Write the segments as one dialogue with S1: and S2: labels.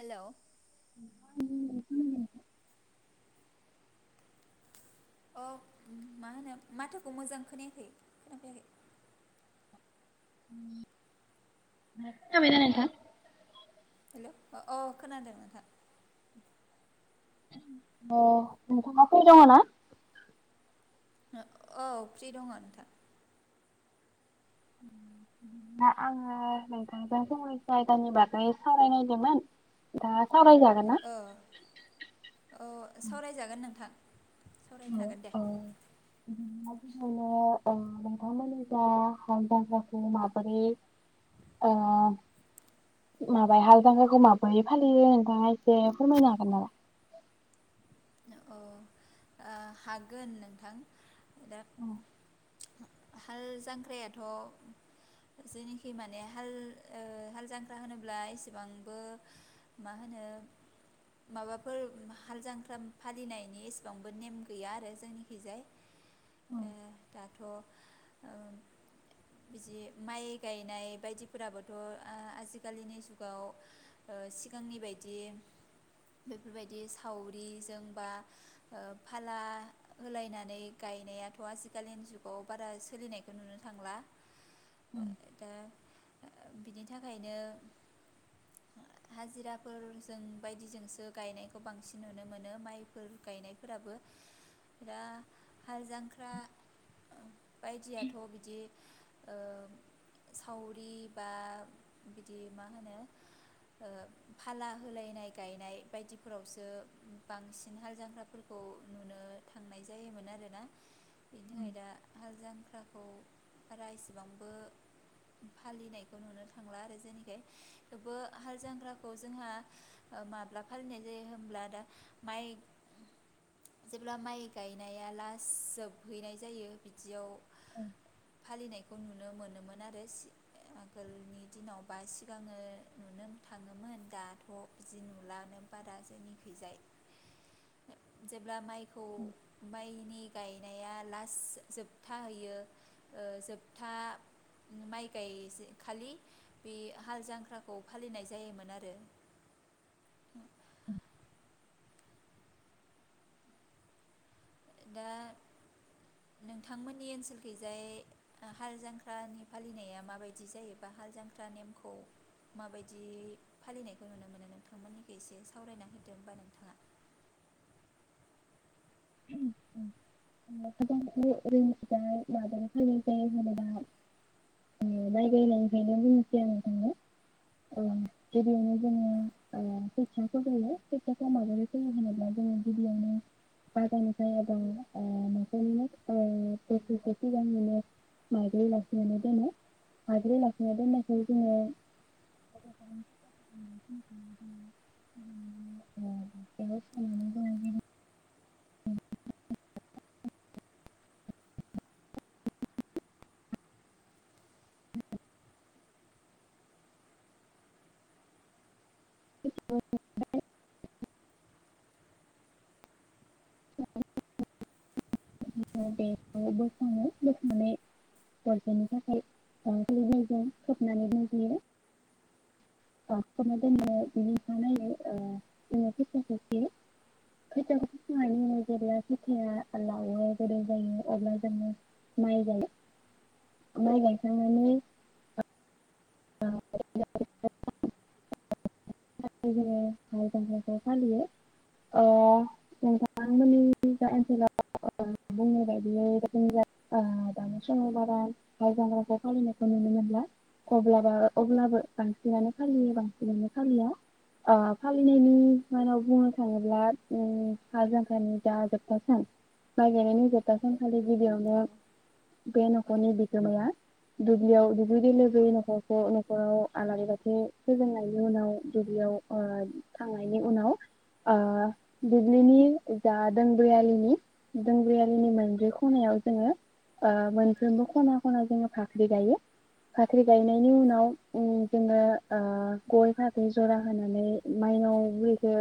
S1: Hello
S2: [unintelligible]
S1: अ मा होनो माथोखौ मोजां खोनायाखै खोनाफैयाखै।
S2: खोना बायना नोंथां?
S1: हेलौ अ खोनादों नोंथां।
S2: अ नोंथाङा फ्रि दङ ना?
S1: औ फ्रि दङ नोंथां।
S2: दा आङो नोंथांजों समास जायगानि बागै सावरायनायदोंमोन दा सावरायजागोन ना?
S1: अ औ सावरायजागोन नोंथां। सावरायनो
S2: औ
S1: हागोन दे
S2: औ नो नोंथांमोननि जा हालजांख्राखौ माबोरै ओ माबाय हाल ज्राखौ माबोरै फालियो नोंथाङा एसे फोरमायनो हागोन नामा?
S1: औ ओ हागोन नोंथां। दा
S2: औ
S1: हाल जांख्रायाथ' जेनोखि माने हाल ओ हाल जांख्रा होनोब्ला एसेबांबो मा होनो माबाफोर हाल जांख्रा फालिनायनि एसेबांबो नेम गैया आरो जोंनिखिजाय ओ दाथ ओ बिजि माइ गायनाय बायदिफोराबोथ ओ आजिखालिनि जुगाव ओ सिगांनि बायदि बेफोरबायदि सावरिजों बा ओ फाला होलायनानै गायनायाथ आजिखालिनि जुगाव बारा सोलिनायखौ नुनो थांला। ओ दा ओ बिनि थाखायनो ओ हाजिराफोर जों बायदि जोंसो गायनायनायखौ बांसिन नुनो मोनो। फोर गायनायफोराबो दा हाल जांख्रा बायदियाथ बिदि ओ सावरि बा बिदि मा होनो ओ फाला होलायनाय गायनाय बायदिफोरावसो बांसि सिनहाल जांग्राफोरखौ नुनो थांनाय जायोमोन आरोना? बेनि थाखाय दा हाल जांख्रा खौ बारा एसेबांबो फालिनायखौ नुनो थांला आरो जेननिखाय थेवबो हाल जांग्राखौ जोंहा ओ माब्ला फालिनाय जायो होनब्ला दा माइ जेब्ला माइ गायनाया लास जोबहैनाय जायो बिदियाव फालिनाय खौ नुनो मोनोमोन आरो सि आगोलनि दिनावबा सिगाङो नुनो थाङोमोन दाथ बिदि नुलानो बारा जोनिखैजाय जेब्ला माइ खौ माइनि गायनाया लास जोबथा हैयो ओ जोबथा माइ गाय जे खालि बे हाल जांख्राखौ फालिनाय जायोमोन आरो
S2: [inaudible]
S1: दा नोंथांमोननि ओनसोलखैजाय हाल जांख्रानि फालिनाया माबायदि जायोबा हाल जांख्रा नेमखौ माबायदि फालिनायखौ नुनो मोनो नोंथांमोननिखौ एसे सावरायनाहदो होनबा नोंथाङा
S2: ओ उ जोंनिखिजाय माब्रै फालिनाय ओ गिबियावनो जोंओ खोथिया गोग्लैयो गिबियावनो। [unintelligible] [unintelligible] [inaudible] [inaudible] बे बोखाङो बोखांनानै गसेनि थाखाय बां जायजों खोबनानै दोनहैयो ओ बेनि अखानायै खोथियाखौ फोयो फोनानै जेब्ला फिथायया लावो गोजौ जायो अब्ला जोङो माइ गायो माइ गायखांनानै जोङो हालजांख्राखौ फालियो नोंथांमोननि जा ओनसोलाव बुंनाय बायदियै जों दानि समलबारा हाइ जग्राखौ फालिनायखौ नुनो मोनला अ अब्लाबो बांसिनानो फालियो बांसिनानो फालिया ओ फालिनायनि मानाव बुंनो थाङोब्ला ओ हा जांखानि जा जोबथ सान माइ गायनायनि जोबथा सान फालि गिबियावनो बे नखरनि बिगोमाया दुुब्लियाव दुब्लि [inaudible] नखरखौ नखराव आलारि बाथि फोजोंनायनि उनाव दुब्लियाव ओ थांनायनि उनाव दुब्लिनि जा दोंब्रै आलिनि दोंब्रै आलिनि मोनब्रै खनायाव जोङो ओ मोनफ्रोमबो खना खना जोङो भाख्रि गायो भाख्रि गायनायनि उनाव उ जोङो ओ गय फाथै जरा होनानै मायनाव बुरैखो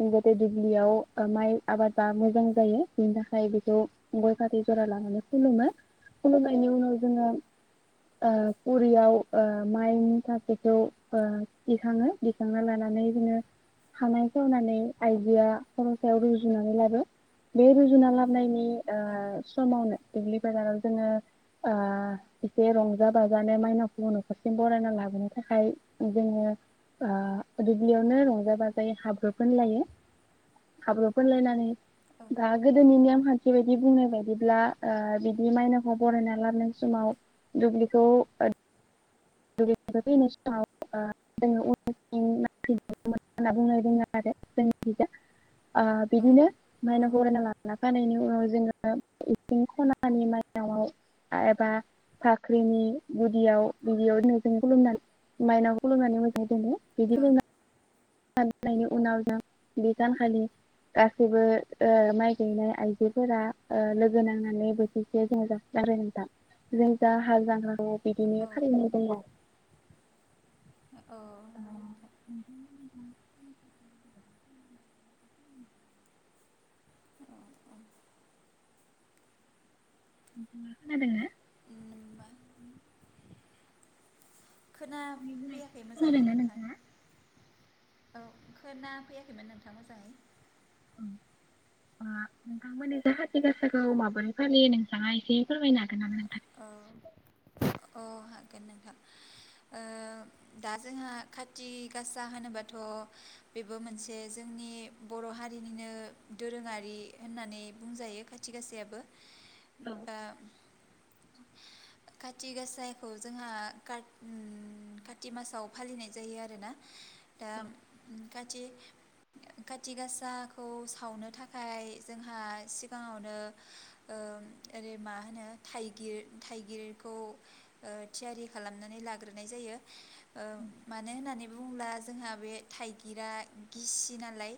S2: जाहाथे दुबलियाव ओ माइ आबादा मोजां जायो बिनि थाखाय बेखौ गय फाथै जरा लानानै खुलुमो खुलुमनायनि उनाव जोङो बैयाव ओ माइनि मुथाखौ ओ दिखाङो दिखांना लानानै बिदिनो हानाय खावनानै आइजोआ खर सायाव रुजुनानै लाबो बे रुजुना लाबनायनि
S1: औ
S2: ओ समावनो दुब्लि बाजाराव जोङो आ एसे रंजा बाजा माने माइनावखौबो नखरसिम बरायना लाबोनो थाखाय जोङो ओ दुब्लियावनो रंजा बाजायै हाब्रु फोनलायो हाब्रुफोनलायनानै दा गोदोनि नेम आ खान्थि बायदि बुंनाय बायदिब्ला ओ बिदि माइनावखौ बरायना लाबनाय समाव दुब्लिखौ दुब्लिनिफाय फैनाय समाव ओ जोङो उनथिं नायफिननो मोना होनना बुंनाय दों आरो जोंनिखिजा ओ बिदिनो मायनाव बरायना लाना फानायनि उ ओ जोङो इसिं खनानि माइनावाव एबा फाख्रिनि गुदियाव बिदियाव ननोजों खुलुमनानै माइनाव खुलुमनानै मोजां दोनो बिदि [inaudible] नायनि उनाव जों बे दानखालि गासैबो ओ माइ गायनाय आइजोफोरा ओ लोगो नांनानै बोथिसे जोङो जासिला बिदिनो फालिनाय जायो
S1: औ
S2: अ खोनादों ना
S1: खोना फैयाखै मोजाङै नोंथां औ खोना फैयाखैमोन नोंथां मोजाङै
S2: ओं नोंथांमोननि जा खाथि गासाखौ माबोरै फालियो नोंथाङा एसे फोरमायनो हागोन नामा नों
S1: औ अ हागोन नोंथां ओ दा जोंहा खाथि गासा होनोबाथ' बेबो मोनसे जोंनि बर' हारिनिनो दोरोङारि होननानै बुंजायो खाथि गाासायाबो दा खाथि गासाखौ जोंहा कात काति मासाव फालिनाय जायो आरोना दा खाथि खाथि गासाखौ सावनो थाखाय जोंहा सिगाङावनो ओ ओरै मा होनो थाइ गिर थाइगिरखौ ओ थियारि खालामनानै लाग्रोनाय जायो ओ मानो होननानै बुंब्ला जोंहा बे थाइगिरा गिसि नालाय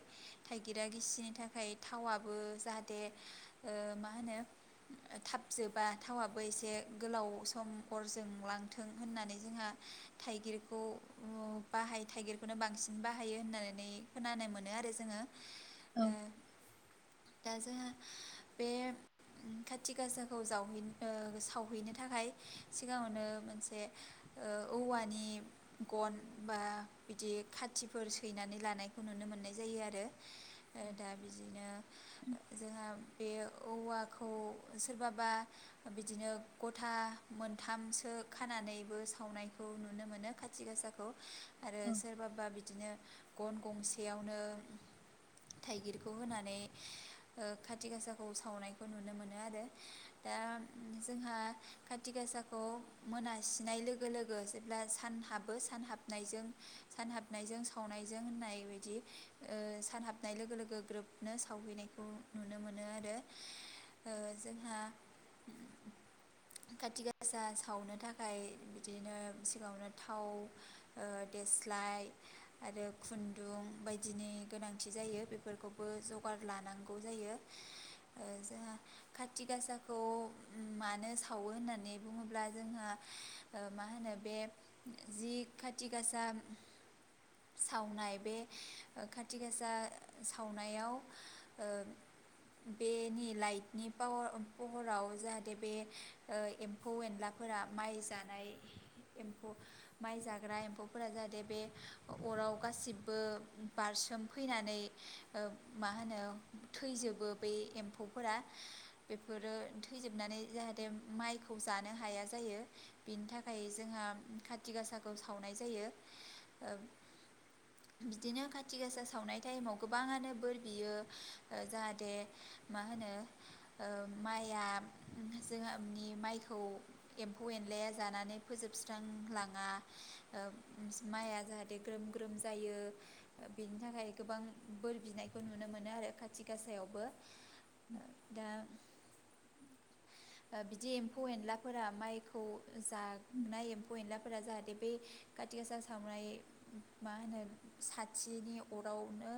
S1: थाइगिरा गिसिनि थाखाय थावाबो जाहाथे ओ मा होनो थाब जोबा थावाबो एसे गोलाव सम अर जोंलांथों होननानै जोंहा थाइगिरखौ बाहायो थाइगिरखौनो बांसिन बाहायो होननानै खोनानो मोनो आरो जोङो ओ दा जोंहा बे खाथि गासाखौ जावहैनो ओ सावहैनो थाखाय सिगाङावनो मोनसे ओ औवानि गन बा बिदि खाथिफोर सैनानै लानायखौ नुनो मोननाय जायो आरो दा बिदिनो जोंहा बे औवाखौ सोरबा बा बिदिनो गथा मोनथामसो खानानैबो सावनायखौ नुनो मोनो खाथि गासाखौ। आरो सोरबाबा बिदिनो गन गंसेयावनो थाइगिरखौ होनानै ओ खाथि गासाखौ सावनायखौ नुनो मोनो आरो दा जोंहा खाति गासाखौ मोनासिनाय लोगो लोगो जेब्ला सान हाबो सान हाबनायजों सान हाबनायजों सावनायजों होननाय बायदि ओ सान हाबनाय लोगो लोगो ग्रोबनो सावहैनायखौ नुनो मोनो आरो ओ जोंहा काति गासा सावनो थाखाय बिदिनो सिगाङावनो थाव ओ देस्लाय आरो खुन्दुं बायदिनि गोनांथि जायो बेफोरखौबो जगार लानांगौ जायो ओ जोंहा खाति गासाखौ उम मानो सावो होननानै बुङोब्ला जोंहा ओ मा होनो बे जि खाथि गासा सावनाय बे खाथि गासा सावनायाव ओ बेनि लाइटनि पावार पहराव जाहाथे बे ओ एम्फौ एनलाफोरा माइ जानाय एमफौ माइ जाग्रा एम्फौफोरा जाहाथे बे अराव गासिबो बारसोमफैनानै ओ मा होनो थैजोबो बे एम्फौफोरा बेफोरो थैजोबनानै जाहाथे माइखौ जानो हाया जायो बिनि थाखाय जोंहा खाथि गासाखौ सावनाय जायो ओ बिदिनो खाथि गासा सावनाय टाइमाव गोबाङानो बोर बियो जाहाथे मा होनो माइआ जोंनि माइखौ एम्फौ एनलाया जानानै फोजोबस्रांलाङा ओ माइआ जाहाथे ग्रोम ग्रोम जायो बेनि थाखाय गोबां बोर बिनायखौ नुनो मोनो आरो खाथि गासायावबो। दा ओ बिदि एम्फौ एनलाफोरा माइखौ जानाय एम्फौ एनलाफोरा जाहाथे बे काथि गासा सावनाय मा होनो साथिनि अरावनो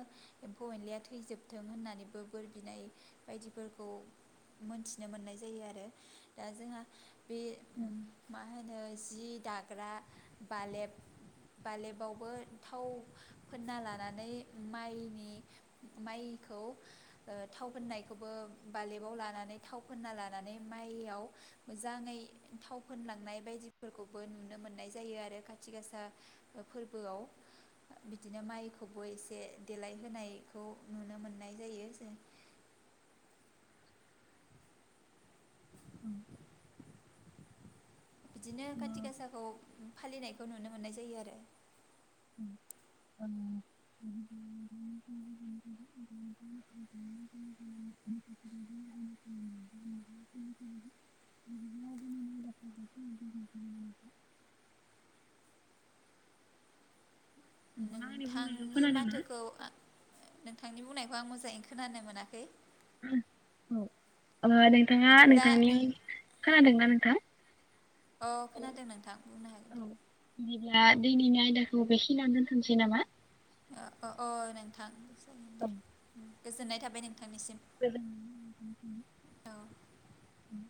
S1: एम्फौ एनलाया थैजोबथों होननानैबो बोर बिनाय बायदिफोरखौ मोनथिनो मोननाय जायो आरो दा जोंहा बे मा होनो? जि दाग्रा बालेब बालेबावबो थाव फोनना लानानै माइनि माइखौ ओ थाव फोननायखौबो बालेबाव लानानै थाव फोनना लाना नानै माइआव मोजाङै थाव फोनलांनाय बायदिफोरखौबो नुनो मोननाय जायो आरो खाथि गासा फोरबोआव बिदिनो माइखौबो एसे देलायहोनायखौ नुनो मोननाय जायो जों
S2: उम्म।
S1: बिदिनो खाथि गासाखौ फालिनाय नुनो मोननाय जायो आरो।
S2: ओ [inaudible] नोंथाङा आंनि बुंनायखौ
S1: नोंथांनि
S2: खोनादों ना?
S1: माथोखौ नोंथांनि बुंनायखौ आं मोजाङैनो खोनानो मोनाखै।
S2: [unintelligible] अ नोंथाङा
S1: बिदिब्ला
S2: नोंथांनि खोनादोंना नोंथां?
S1: अ खोनादों नोंथां बुंनो
S2: औ
S1: हागोन दे।
S2: बिदिब्ला दिनैनि आयदाखौ बेखियावनो दोनथ'नोसै नामा?
S1: अ अ नोंथां
S2: औ।
S1: गोजोन्नाय थाबाय नोंथांनिसिम।
S2: [unintelligible]
S1: औ
S2: उम्म।